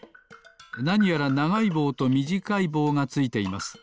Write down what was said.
なにやらながいぼうとみじかいぼうがついています。